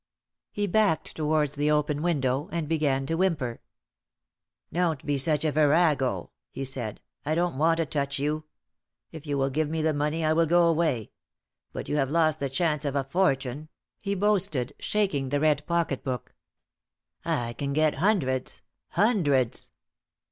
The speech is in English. He backed towards the open window, and began to whimper. "Don't be such a virago," he said. "I don't want to touch you. If you will give me the money I will go away. But you have lost the chance of a fortune," he boasted, shaking the red pocket book. "I can get hundreds hundreds."